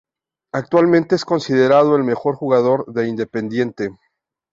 Actualmente es considerado el mejor jugador de Independiente.